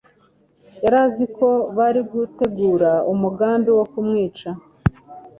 Yari azi ko bari gutegura umugambi wo kumwica,